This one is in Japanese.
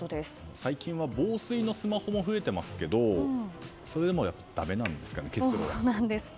最近は防水のスマホも増えていますけどそれでもだめなんですかね？